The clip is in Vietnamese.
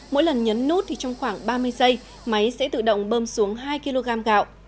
mỗi lần nhấn nút thì trong khoảng ba mươi giây máy sẽ tự động bơm xuống hai kg gạo